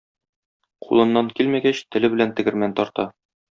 Кулыннан килмәгәч теле белән тегермән тарта.